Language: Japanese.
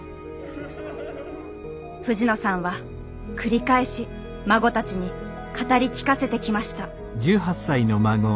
藤野さんは繰り返し孫たちに語り聞かせてきました。